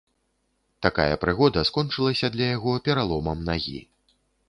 Такая прыгода скончылася для яго пераломам нагі.